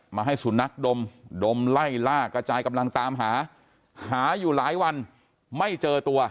มาให้สุนัขดมดมไล่ล่ากระจายกำลังตามหาหาอยู่หลายวันไม่เจอตัว